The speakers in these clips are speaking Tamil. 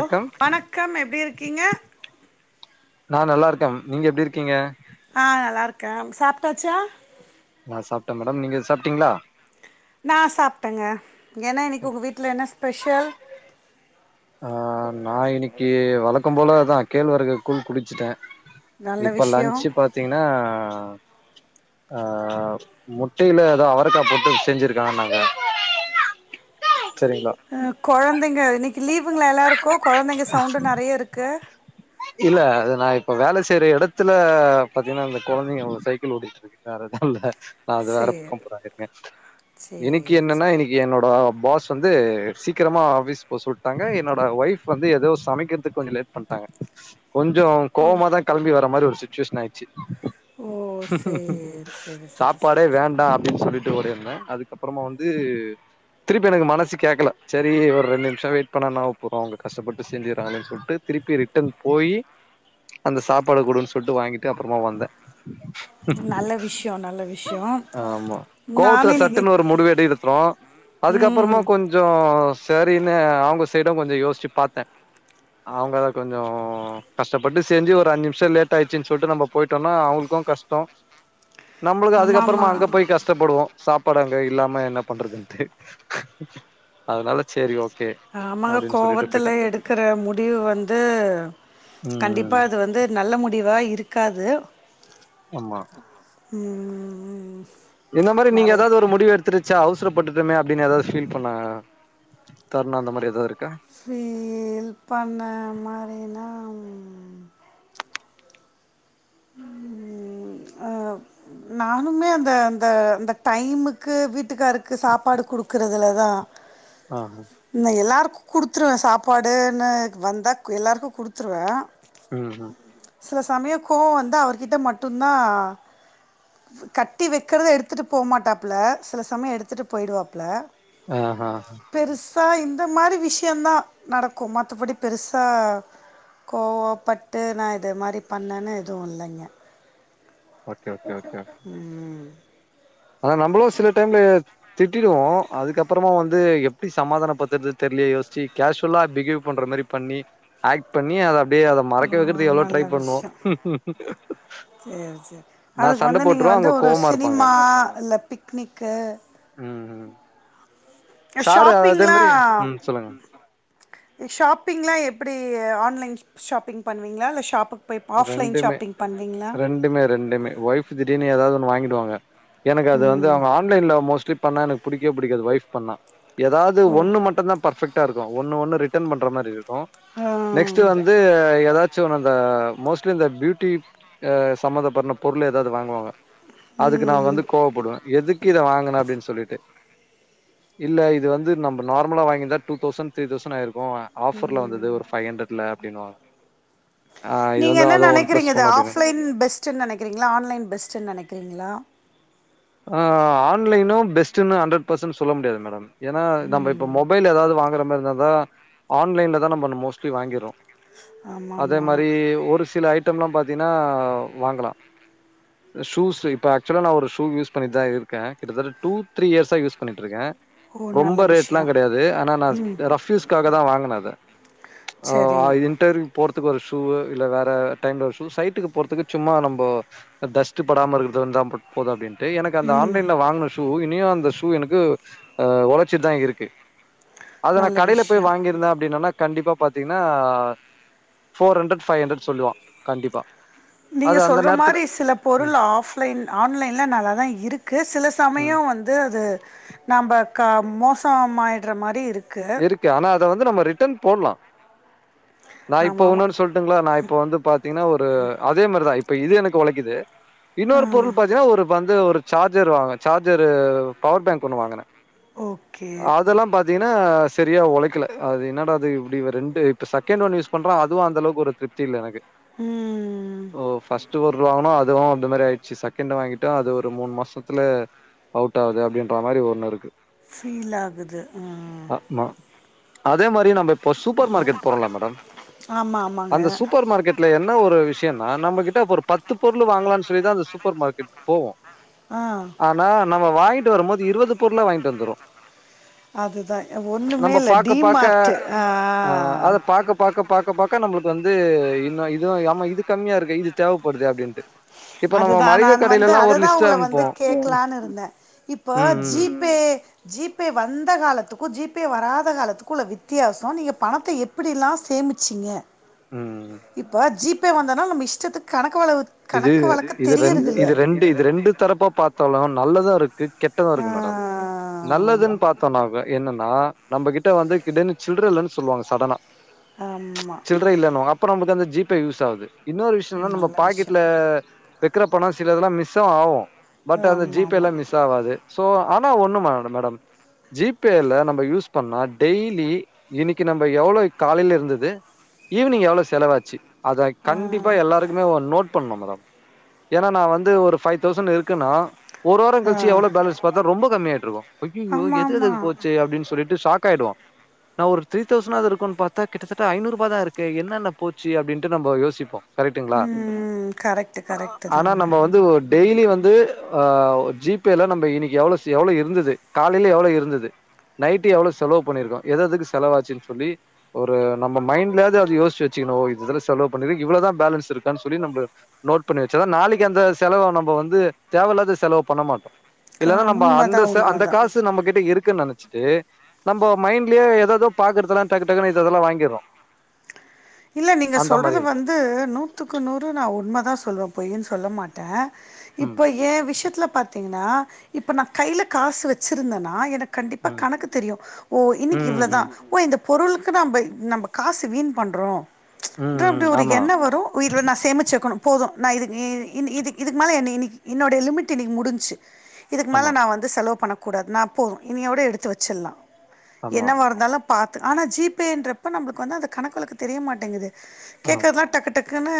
ஓ வணக்கம் எப்டி இருகீங்க நா நல்லா இருக்கேன் நீங்க எப்டி இருகீங்க ஆ நல்லா இருக்கேன் சாப்டாச்சா நா சாப்டேன் மேடம் நீங்க சாப்டீங்களா நா சாப்டேங்க ஏன்னா இன்னைக்கு உங்க வீட்டில என்ன ஸ்பெஷல் ஆ நா இன்னைக்கு வழக்கம் போலதா கேழ்வரகு கூல் குடிசுட்டேன் நல்ல இப்ப விஷயோ லன்சு பாத்தீங்கன்னா ஆ முட்டையில ஏதோ அவரக்கா போட்டு செஞ்சிருகாங்கனாங்க சேரிங்களா ம் கொழந்தைங்க இன்னைக்கு லீவுங்களா எல்லாருக்கும் கொழந்தைங்க சவுண்டு நெறைய இருக்கு இல்ல அது நான் இப்ப வேல செய்ற இடத்துல பாத்தீங்கன்னா இந்த கொழந்தைங்க சைக்கிள் ஓட்டி டு இருக்கு வேற எதும் இல்ல அது வேற சேரி பக்கம் போற ஆளுங்க இனைக்கு சேரி என்னனா சேரி இன்னைகு என்னோட பாஸ் வந்து சீக்கிரமா அபீஸ் போ செல்லிட் தங்கம் என்னோட ஒய்ஃப் வந்து ஏதோ சமைக்கிறதுக்கு கொஞ்சம் லேட் பண்டாங்க கொஞ்சம் கோவமா தான் கேளம்பி வர்ற மாரி ஒரு சுச்சுவேஷன் ஆயிச்சு ஓ சேரி சேரி சேரி சேரி சேரி ஒருன அதுக்கப்புறமா வந்து திருப்பி எனக்கு மனசு கேக்ல சேரி ஒரு ரெண்டு நிமிஷம் வெயிட் பண்ண என்ன ஆக போறோம் அவங்க கஷ்டபட்டு செஞ்சுறாங்கனு சொல்லிட்டு திருப்பி ரிட்டன் போய் அந்த சாப்பாட கொடுன்னு சொல்லிட்டு வாங்கிட்டு அப்புறமா வந்தேன் நல்ல விஷயோ நல்ல ம் விஷயோ ஆமா கோவத்துல நானு இன்னைக்கு சட்டுன்னு ஒரு முடிவு எடி த்துறம் அதுகப்புறமா ம் கொஞ்சம் சரின்னு அவங்க சைடும் கொஞ்சம் யோசிச்சு பாத்தேன் அவுங்கள கொஞ்சம் கஷ்டபட்டு செஞ்சு ஒரு அஞ்சு நிமிஷம் லேட் ஆயிசுனு சொல்ட்டு நம்ம போயிட்டோன்னா அவங்களுக்கு கஷ்ட நம்பளுக்கு ஆமா அதுக்கப்பறமா ஆமா அங்க போய் கஷ் கஷ்டபடுவோ சாப்பாடு அங்க இல்லாம என்ன பண்றதுன்டு அதனால சோரி ஓகே ஆமாங்க அப்டின்னு சொல்லிட்டு கோவதில போயிட்டே எடுக்கிற முடிவு வந்து கண்டிபா ம் அது வந்து நல்ல முடிவா இருக்காது அம்மா ம் ம் ம் ம் என்ன மாரி நீங்க ஏதாவது ஒரு முடிவு எடுத் துருச்சா அவசரபட்டுடுமே அப்படின்னு எதாவது ஃபீல் பண்ண தருண அந்த மாரி எதுவு இருக்கா ஃபீல் பண்ண மாதிரினா ம் ம் ம் ம் ஆ நானுமே அந்த அந்த அந்த டைமுக்கு வீட்டுகாருக்கு சாப்பாடு குடுக்குறதுல தா ஆமா நா எல்லாருக்கு குடுத்துருவே சாப்பாடுன்னு வந்தா எல்லாருக்கு குடுத்துருவே ம் ம் சில சமயக் கோவ வந்து அவர்கிட்ட மட்டுந்தா கட்டி வைக்கிறத எடுத்துகிட்டு போமாட்டாப்பல சில சமய எடுத்துட்டு போயிடுவாப்புல ஆஹா [unintelligible] பெருசா இந்த மாரி விஷயந்தா நடக்கு. மத்தபடி பெருசா கோவப்பட்டு நா இது மாரி பண்ணேன்னு எதுவு இல்லங்க ஓகே ஓகே ம் அத நம்மளு சில டைம்ல திட்டிடுவோ அதுக்கப்பறமா வந்து எப்படி சமாதான பத்துறது தெரியலே யோசிச்சி கேஷுவுலா பிகேவ் பண்ற மாரி பணி ஆக்ட் பண்ணி அத அப்டியே அத ஓ மறக்க வைக்கறது எவ்ளோ நல்ல ட்ரை பண்ணுவோ செர் செர் நா அதுக்கு சண்ட வந்து நீங்க போட்ருவ வந்து அவங்க ஒரு கோவமா இருப்பாங்க சினிமா இல்ல பிக்னிக்கு ம் ம் அ சாரு அதே ஷாப்பிங்லா மாரி ம் சொல்லுங்க ஷாப்பிங்லா எப்டி ஆன்லைன் ஷாப்பிங் பண்ணுவீங்களா இல்ல ஷாப்புக்கு போய் ஆஃப்லைன் ரெண்டுமே ஷாப்பிங் பண்ணுவீங்களா ரெண்டுமே ரெண்டுமே ஒய்ஃப் திடீர்னு ஏதாவது ஒன்னு வாங்கிடுவாங்க எனக்கு அது வந்து அவங்க ஆன் இல்ல இல்ல மோஸ்ட்லி பண்ணா எனக்கு புடிக்கவோ புடிக்காது ஒய்ஃப் பண்ணா ஏதாவது ஓ ஒண்ணு மட்டுந்தா பர்ஃபெக்ட் ட்டா இருக்கு ஒன்னு ஒன்னு ரிட்டர்ன் பண்ற மாரி இருக்கு ஆ நெக்ஸ்ட்டுவந்து ஏதாச்சு அந்த மோஸ்ட்லி இந்த பியூட்டி அ சம்மந்தப்பட்ட பொருள் ஏதாவது வாங்குவாங்க அதுக்கு நா ம் வந்து கோவப்படுவே எதுக்கு இத வாங்குன அப்டின்னு சொல்லிட்டு இல்ல இது வந்து நம்ம நார்மலா வாங்கியிருந்தா டூ தௌசண்ட் த்ரீ தௌசண்ட் ஆயிருக்கு ஆஃபர்ல வந்தது ஒரு பை் ஹண்டரட்ல அப்பிடின்னுவாங்க அ இது வந் நீங்கள் என்ன நெனைக்கிறீங்கது ஆஃப்லைன் பெஸ்ட்டு நெனைக்கிறீங்களா ஆன்லைன் பெஸ்டு நெனைக்கிறீங்களா ஆ ஆன்லைனு பெஸ்ட்ன்னு ஹண்ட்ரட் பர்சன்ட் சொல்ல முடியாது மேடம் ஏன்னா நம்ம இப்ப மொபைல் ஏதாவது வாங்குற மாரி இருந்தாதா ஆன்லைன்ல தா நம்ம மோஸ்ட்லி வாங்கிறோ ஆமா அதே ஆமா மாரி ஒரு சில ஐ ட்டம்லா பாத்திகினா வாங்கலா சூஸ்சு இப்ப ஆக்சுவலா ஒரு சூ யூஸ் பண்ணிதா இருக்கே கிட்டத்தட்ட டூ த்ரீ இயர்சா யூஸ் பண்ணிட்ருக்கே ஓ நல்ல ரொம்ப ரேட்ல்லா விஷயோ கெடையாது ஆனா நா ரஃப் ரஃப்யூஸ்காக தா வாங்னது ஒ சரி ஆ இன்டெர்வியூ போறதுக்கு ஒரு ஷூ இல்ல வேற டைம்ல ஒரு ஷூ சைட்டுக்கு போறதுக்கு சும்மா நம்போ டஷ்ட்டுப்படாம இருக்கறதுக்குதா போது அப்டின்ட்டு எனக்கு அந்த ஆன்லைன்ல வாங்க ஷூ இனியு அந்த ஷூ எனக்கு அ உழைச்சிட்டுதா இருக்கு அத நா நல்ல கடையில போய் விஷயோ வாங்கியிருந்தே அப்டினன்னா கண்டிப்பா பாத்தீங்கன்னா ஃபோர் ஹண்ட்ரட் ஃபைவ் ஹண்ட்ரட் சொல்லுவா கண்டிப்பா நீங்க அது அந்த சொல்ற நேரத்துல மாரி சில ம், பொருள் ஆஃப்லைன் ஆன்லைன்ல நல்ல தா இருக்கு சில ம். சமயோ வந்து அது நம்ப க மோசமாயிடுற மாரி இருக் இருக்கு ஆனா அத வந்து நம்ம ரிட்டன் போட்லா நா ஆமா இப்ப ஆமா ஒன்னுன்னு சொல்ட்டுங்களா ந இப்ப வந்து பாத்தீங்கன்னா ஒரு அ இதே மாரிதா இப்ப இது எனக்கு உழைக்குது இன்னொரு பொருள் பாத்தீங்கன்னா ஒரு இப்ப வந்து ஒரு சார்ஜர் வாங்க சார்ஜரு பவர் பேங்க் ஒண்ணு வாங்குனே ஓகே அதெல்லா பாத் ங்கனா சரியா உழைக்கல அது என்னட அது இப்டி ரெண்டு இப்ப செகண்ட் ஒன் யூஸ் பண்ற அதுவு அந்த அவுக்கு ஒரு திருப்தி இல்ல எனக்கு ம் ஓ ஃபஸ்ட் பொருள் வாங்குனோ அதுவு அந்த மாரி ஆய்டுச்சி செ க்கெண்டு வாங்கிட்டோ அது ஒரு மூண் மாசத்துல அவுட் ஆவுது அப்டின்ற மாரி ஒன்னு இருக்கு ஃபீல் ஆகுது ம் மா அதே மாரியே நம்ம இப் போ சூப்பர் மார்க்கெட் போறோல்ல மேடம் ஆமா ஆமாங்க அந்த சூப்பர் மார்க்கெட் டுல என்ன ஒரு விஷ்யம்னா நம்ம கிட்ட ஒரு பத்து பொருள் வாங்கலாம்னு சொல்லிதா அந்த சூப்பர் மார்க்கெட் போவோ ஆ ஆனா நம்ம வாங்கிட்டு வருபோது இருவது பொருளா வாங்கிட்டு வந்துறோ அதுதா ஒண்ணுமே நம்ம இல்ல பாக்க டி பாக்க மார்ட்டு ஆ அ அத பாக்க பாக்க பாக்க பாக்க நம்மளுக்கு வந்து இன்னு இதுவு ஆம்மா இது கம்மியா இருக்கு இது தேவப்படுது அப்டின்ட்டு இப்ப நம்ம அதுதா நா மளிகை வந்து கடையிலல்லாம் ஒரு அததா லிஸ்ட் உங்க வந்து அனுப்புவோம். கேக்கலான்னு இருந்தே இப்ப ம், ஜி ம், பே ஜி பே வந்த காலத்துக்கு ஜி பே வராத காலத்துக்கு உள்ள வித்தியாசோ நீங்க பணத்த எப் டிலா சேமிச்சிங்க ம். இப்போ ஜி பே வந்தோன்னா நம்ம இஷ்டத்துக்கு கணக்கு வளவு இது இது ரெண் இது ரெண்டு இது ரெண்டு தரப்பா பாத்தலு நல்லதா இருக் கு கெட்டது இருக்கு மேடம் ஆ நல்லதுன்னு பாத்தோன்னாவே என்னன்னா நம்மகிட்ட வந்துகிடனு சில்ட்ற இல்லன்னு சொல்லுவாங்க சடனா ஆமா சில்ட்ற இல்லன்னுவாங்க அப்ப நமக்கு அந்த ஜி பே யூஸ் ஆவுது இன்னொரு விஷ்யம்னா நம்ம நல்ல பாக்கெட்ல விஷயம் வைக்கிற பணோ சிலதெல்லா மிஸ்ஸும் ஆவு பட் அது ஜீ ஆமா பே ஆமா ல மிஸ் ஆவாது சோ ஆனா ஒண்ணு மேட மேடம் ஜி பே ல நம்ப யூஸ் பண்ணா டெய்லி இன்னைக்கி நம்ப எவ்வளோ காலையில இருந்துது ஈவினிங் எவ்ளோ செலவாச்சு அத கண்டிப்பா எல்லாருக்குமே ஒரு நோட் பண்ணு மேடம் ஏன்னா நா வந்து ஒரு ஃபைவ் தௌசண்ட் இருக்குன்னா ஒரு வாரோ ஆ கழிச்சு எவ்ளோ பேலன்ஸ் பாத்தா ரொம்ப கம்மியாயிட்டுருக்கு அய்யயோ ஆமா எது ஆமா எதுக்கு போச்சு அப்டின்னு சொல்லிட்டு ஷாக் ஆயிடுவோ நா ஒரு த்ரீ தௌசண்ணாது இருக்குன்னு பாத்தா கிட்டத்தட்ட ஐநூறுபா தா இருக்கே என்னென்ன போச்சு அப்டின்ட்டு நம்ம யோசிப்போ கரெக்டங்களா ம் கரெக்ட் ஆனா நம்ப வந்து ஒ டெய்லி வந்து ஆ ஜி பே ல நம்ப இன்னைக்கி எவ்ளோ எவ்ளோ இருந்துது காலைல எவ்ளோ இருந்துது நைட்டு எவ்ளோ செலவு பண்ணியிருக்கோ எதுஎதுக்கு செலவாச்சுனு சொல்லி ஒரு நம்ப மைண்டலாயாது அது யோசிச்சு வச்சுகணு ஒ இது இதுல செலவு பண்ணிருக்கு இவ்ளோதா பேலன்ஸ் இருக்கா சொல்லி நம்ம நோட் பண்ணி வச்சத நாளைக்கு அந்த செலவ நம்ம வந்து தேவையில்லாத செலவு பண்ண மாட்டோ க இல்லன்னா நம்ப அந்த உண்மதா சு அந்த உண்மதா காசு நம்ம கிட்ட இருக்குன்னு நென ச்சிட்டு நம்ம மைண்ட்லயே எத எதோ பாக்கறதெல்லா டக்கு டக்குன்னு இது இதெல்லா வாங்கிட்றோ இல்ல நீங்க சொல்றது இருக்கு வந்து நூத்துக்கு நூறு நா உண்மதா சொல்லுவே பொய்ன்னு சொல்ல மாட் ட ம் இப்ப எ விஷயத்துல பாத்த ங்கன்னா இப்ப நா கையில காசு வச்சிருந்தேன்னா எனக்கு கண்டிப்பா ம் கணக்கு தெரியு ஓ இன்னைக்கு ம் இவ்ள தா ம் ஓ இந்த பொருளுக்கு நம்ப நம்ப காசு வீண் பண்றோ என்ற ம் அப்டி ம் ஒரு ஆமா எண்ண வரு ஓ இதுல நா சேமிச்சு வைக்கணு போது நா இது இது இன் இதுக்கு மேல என்ன இன்னனைக்கு என்னோடைய லிமிட் இன்னைக்கி முடிச்சு இதுக்கு மேல ஆமா நா வந்து செலவு பண்ணக்கூடாது நா போது இனிய விட எடுத்து வச்சிடலா ஆமா என்னவா இருந்தாலு பாத்து ஆனா ஜிபேன்றப்ப நம்மளுக்கு வந்து அந்த கணக்கு வழக்கு தெரிய மாட்டேங்குது ஆ கேக்றதுலா டக்கு டக்குன்னு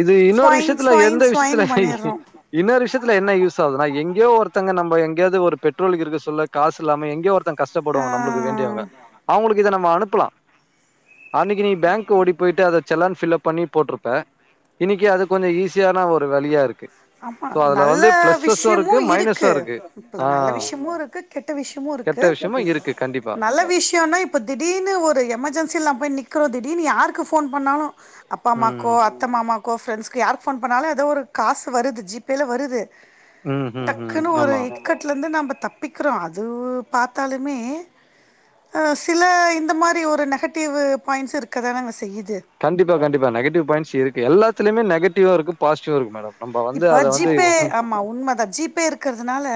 இது இன்னொரு ஸ்சொய்ன் விஷயத்துல ஸ்சொய்ன் எந்த ஸ்சொய்ன் விஷயத்துல பண்ணிடுறோ இன்னொரு விஷயத்துல என்ன யூஸ் ஆகுதுனா எங்கயோ ஒருத்தங்க நம்ம எங்கேயாவது ஒரு பெட்ரோலு இருக்கு சொல்ல காசு இல்லாம எங்கயோ ஒருத் த கஷ்டப்படுவாங்க நம்மளுக்கு வேண்டியவங்க அவங்களுக்கு இத நம்ம அனுப்பலா அன்னிக்கி நீ பேங்க் ஓடி போயிட்டு அத செல்லா ஃபில்லப் பண்ணி போட்டிருப்ப இன்னைக்கு அது கொஞ்ச ஈஸியான ஒரு வழியா இருக்கு ஆமா சோ அதுல நல்ல வந்து பிளஸஸு விஷயமு மைனஸு இருக்கு இல்ல ஆ நல்ல விஷயமு இருக்கு கெட்ட விஷயமு கெட்ட இருக்கு விஷயமு இருக்கு கண்டிப்பா நல்ல விஷயன்னா இப் ப திடீர்னு ஒரு எமர்ஜென்சில நம்ம போய் நிக்கிறோ திடீர்னு யாருக்கு போன் பண்ணாலு அப்பா அம்மாக்கோ ம் அத்த மாமாக்கோ ஃப்ரெண்ட்ஸ்கு யார்க்கு ஃபோன் பண்ணாலு ஏதோ ஒரு காசு வருது ஜிபேயில வருது ம் ம் ம் டக்குனு ஒரு ஆமா இக்கத்துலந்து நம்ப தப்பிக்கிறோ அது பாத்தாலுமே அ சில இந்த மாரி ஒரு நெகட்டிவ் பாயிண்ட்ஸு இருக்க தானங்க செய்யுது கண்டிப்பா கண்டிப்பா நெகட்டிவ் பாயி்ண்ட்ஸ் இருக்கு எல்லாத்திலயுமே நெகடிவ் இருக்கு பாசிட்டிவு இருக்கு மேடம் நம்ப வந்து இப்ப அத வந்து ஜிபே ஆமா உண்மைதா ஜிபே இருக் இருக்கிறதுனால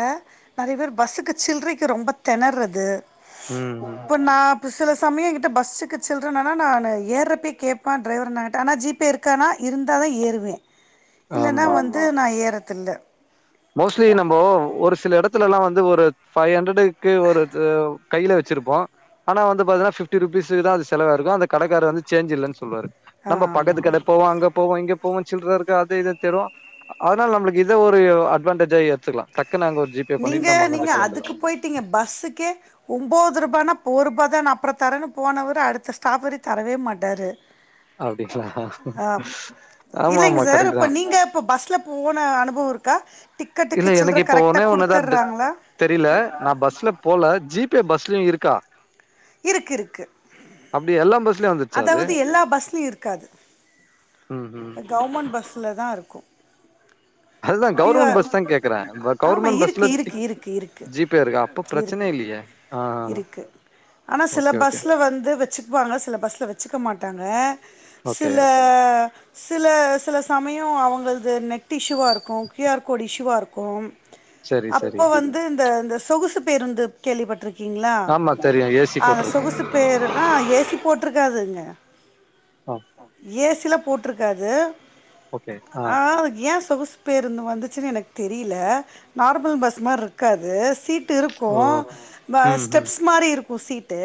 நெறைய பேர் பஸ்ஸுக்கு சில்லறைக்கு ரொம்ப தெணர்றது ம், ம். இப்பண்ணாபுஸ் சில சமய கிட்ட பஸ்க்கு சில்லறை இல்லனா நானு ஏறப்பயே கேப்பே டிரைவர் அண்ணா கிட்ட ஜிபே இருக் கானா இருந்தாதா ஏறுவே இல்லைன்னா ஆமா. வந்து நா ஏறதில்ல மோஸ்ட்லி நம்ம ஒரு சில எடத்துலல்லா வந்து ஒரு பஃபைவ் ஹண்ட்ரடுக்கு ஒரு [unintelligible] கையில வச்சிருப்போ ஆனா வந்து பாத்திங்கன்னா பிப்டி ரூபிஸ்க்குதா அது செவாயிருக்கு அந்த கடைக்காரரு வந்து சேஞ் இல்லனு சொல்லுவரு நம்ம ஆமா பக்கத்து கடை ஆமா போவோ அங்க போவோ இங்க போவோ சில்லற இருக்கு அது இதுனு தேடுவோ அதனால நம்மளுக்கு இத ஒரு அட்வான்டேஜா எத்துக்கலா டக் குனு அங்க ஒரு ஜிபே பண்ணிட்டு நம அங்கிருந்து கெளம்பிறல விட்டிங்க பஸ்ஸுக்கே ஒன்போது ரூபானா போரூபாதான அப்பற தரேன்னு போனவர்ரு அடுத்த ஸ்டாப்பரி தரவே மாட்டாரு [inaudible] ஆ இல்லைங்க ஆமாமா. சார் கரெக்ட் இப்ப தான். நீங்க இப்ப பஸ்ல போன அனுபவ இருக்கா டிக்கெட்டுக்கு இல்ல சில்ற எனக்கு இப்போ கரெக்டா ஒனே ஒண்ணுதா குடுத்துர்றாங்களா தெரியல நா பஸ்ல போல ஜி பே பஸ்லயு இருக்கா இருக்கு இருக்கு அப்படி எல்லாம் பஸ் அதாவது எல்லா பஸ்லயு இருக்காது ம் ம் கவர்மெண்ட் பஸ்ல தா இருக்கு அதுதா கியூ கவுவர்மெண்ட் ஆர் பஸ் தா கேக்குற ஆமா கவுவர்மெண்ட் இருக்கு பஸ்ல டிக் இருக்கு இருக்கு இருக்கு ஜீ பே இருக்கா அப்ப பிரச்சனை இருக்கு இல்லையே அ இருக்கு ஆனா சில பஸ்ல வந்து வச்சுக்குவாங்க சில பஸ்ல வச்சுக்க மாட்டாங்க ஓகே சில அ சில சில சமயோ அவுங்கள்து நெட் இஷ்யூவா இருக்கு க்யூ ஆர் கோடு் இஷ்யூவா இருக்கு சரி சரி அப்போ வந்து இந்த இந்த சொகுசு பேருந்து கேள்விப்பட்ருக்கு கீங்களா ஆமா தெரியு ஏ சி அந்த போட்ருக்கு சொகுசு பேரு ஆ ஏசி போட்ருக்காதுங்க ஆ ஏசியில போ போட்ருக்காது ஓகே ஆ ஆனா அதுக்கு ஏ சொகு பேருந்து வந்துச்சுன்னு எனக்கு தெரில நார்மல் பஸ் மார் இருக்காது சீட் இருக்கு ஓ ம் ம் ஸ்டெப்ஸ் மாரி இருக்கு சீட்டு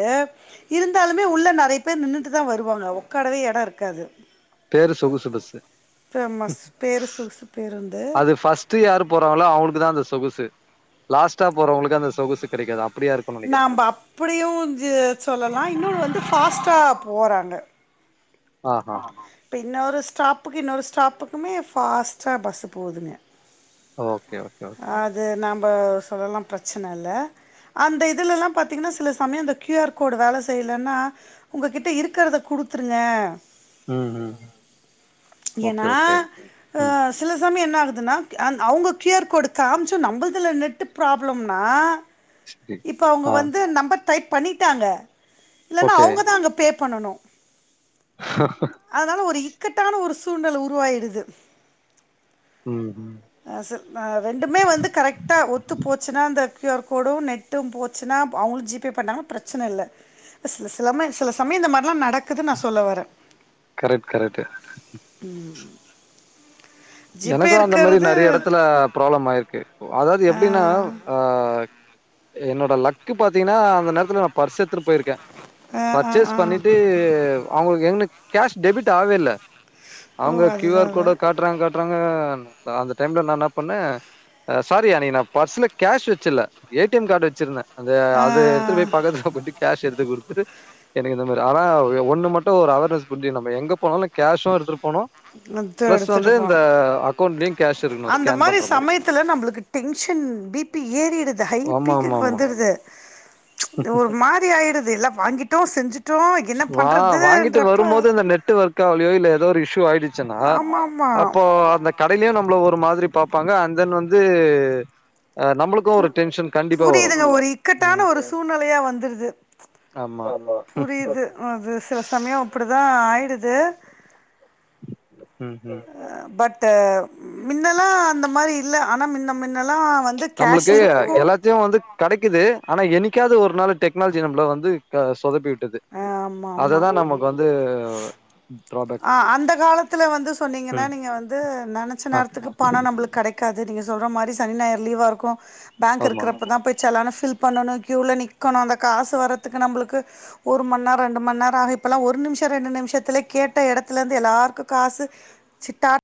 இருந்தாலுமே உள்ள நறைய பேர் நின்னுட்டு தா வருவாங்க உக்காரவே எடோ இருக்காது பேரு சொகுசு பஸ்ஸு பேமஸ் பேரு சொகுசு பேருந்து ஃபஸ்ட்டு யாரு போறாங்ளோ அவுங்களுக்கு தா அந்த சொகுசு லாஸ்டா போறவங்களுக்கு அந்த சொகுசு கெடைக்காது அப்டியா இருக்குன்னு நெனைக்கிறே நம்ப அப்டியு சொல்லலா இன்னொன்னு வந்து ஃபாஸ்ட்டாக போறாங்க ஆ ஹா இப்ப இன்னொரு ஸ்டாப்புக்கு இன்னொரு ஸ்டாப்புக்குமே ஃபாஸ்ட்டா பஸ்ஸூ போதுங்க ஓகே ஓகே ஓகே அது நாம்ப சொல்லலா பிரச்சன இல்ல அந்த இதுலல்லா பாத்திங்கன்னா சில சமயோ அந்த கியூ ஆர் கோடு வேல செய்லன்னா உங்கக்கிட்டே இருக்றத குடுத்துருங்க ம் ம் ஓகே ஏனா ஓகே அ ம் சில சமயோ என்ன ஆகுதுன்னா அவங்க க்யூ ஆர் கோடு காமிச்சு நம்புள்துல நெட்டு ப்ராப்ளம்னா சரி இப்போ அவுங்க ஆ வந்து நம்பர் டைப் பண்ணிட்டாங்க இல்லன்னா ஓகே அவுங்கதா அங்க பே பண்ணனு ஆ அதனால ஒரு இக்கட்டான ஒரு சூழ்நிலெ உருவாயிடுது ம் ம் ரெண்டுமே வந்து கரெக்டா ஒத்து போச்சுன்னா இந்த Q R code net to போச்சுன்னா அவுங்களு ஜி பே பண்ணாங்கன்னா பிரச்சன இல்ல சில சில சிலம சில சமயோஇந்த மாரிலா நடக்குது நா சொல்ல வரே கரெக்ட் கரெக்ட் ம் எனக்கு அந்த மாரி நறய எடத்துல ப்ராப்ளம் ஆயிருக்கு அதாவ்து ஆ, எப்டினா என்னோட லக் க்குபாத்திங்கனா அந்த நேரத்துல நா பர்சு எடுத்துனு பொய்ருக்கே ஆ, ஆ, ஆ. பர்ச்சேஸ் பண்ணிட்டு அவுங்களுக்கு எங்க கேஷ் டெபிட் ஆவே இல்ல ஓ அவுங்க கியூ அதுதான் ஆர் கோட அதுதான் காட்றாங்க காட்றாங்க அந்த டைம்ல நா என்ன பண்ணே சாரி அன்னைக்கு நீ நா பர்சுல கேஷ் வச்சுல ஏ டி எம் கார்டு வச்சிருந்தே அ ஆ, அது எடுத்துட்டு போய் பக்கத்துல பொய்ட்டு கேஷ் எடு்த்து குடுத்துட்டு எனக்கு இந்த மாரி ஆனா ஒண்ணு மட்டு ஒரு அவேர்னஸ் புரிஞ்சுது நம்ம எங்க போனாலு கேஷு எடுத்துட்டு போனு பணத்த பிளஸ் எடுத்துட்டு வந்து இந்த போனு அக்கௌண்ட்லயு கேஷ் இருக்கணு அந்த ஸ்கேன் மாரி பண்ற சமயத்துல நம்பளுக்கு டென்ஷன் பீபி ஏறிடுது ஹை ஆமா ஆமா பீக்குக்கு ஆமா வந்துடுது ஒரு மாரி ஆயிடுது எல்லா வாங்கிட்டோ செஞ்சுட்டோ என்ன வா வாங்கிட்டு பண்றதுன்றப்ப வரும்போது இந்த நெட் ஒர்க் ஆகலயோ இல்ல ஏதோ ஒரு இஷ்யூ ஆயிடுச்சுனா ஆமாம் ஆமாம் அப்போ அந்த க இப்பமே நம்மள ஒரு மாரி பாப்பாங்க அன் தென் வந்து அ நம்மளுக் கு புரியுதுங்க ஒரு ம் இக்கட்டான ஒரு சூழ்நெலயா வந்துருது ஆமா புரியுது அது சில சமய அப்டிதா ஆயிடுது ம் ம் அ பட்டு மின்னலா அந்த மாரி இல்ல ஆனா மின்ன மின்னலா வந்து கேஷ் நம்மளுக்கு இருக்கு எல்லாத் ஜியோ வந்து கெடைக்குது ஆனா என்னிக்காவது ஒரு நாள் டெக்னாலஜி நம்மள வந்து சொதப்பி விட்டுது ஆமா ஆமா அததா நமக்கு அதுலயு வந்து டிராபேக் ஆ அந்த காலத்தில வந்து சொன்னீங்கனா ம் நீங்க வந்து நெனச்ச ஆ நேரத்துக்கு பண நம்மளுக்கு கெடக் காது நீங்க சொல்ற மாரி சனி நாயர் லீவா இருக்கு பேங்க் ஆமா இருக்கிறப்பதா போய் செலான ஃபில் பண்ணணு க்யூல நிக்கணு அந்த காசு வர்ரதுக்கு நம்மளுக்கு ஒரு மணிநேர ரெண்டு மணிநேர ஆக இப்பல்லா ஒரு நிமிஷ ரெண்டு நிமிஷத்துல கேட்ட எடத்துலேருந்து எல்லாருக்கு காசு சித்தார்